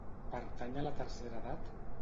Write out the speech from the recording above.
Pertany a la tercera edat?